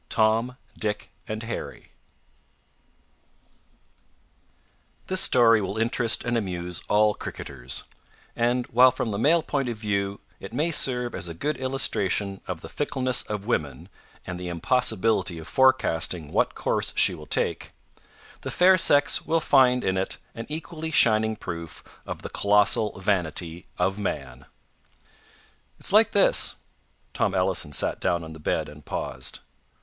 TOM, DICK, AND HARRY This story will interest and amuse all cricketers, and while from the male point of view it may serve as a good illustration of the fickleness of woman and the impossibility of forecasting what course she will take, the fair sex will find in it an equally shining proof of the colossal vanity of man. "It's like this." Tom Ellison sat down on the bed, and paused.